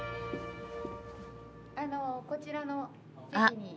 あのこちらの席に。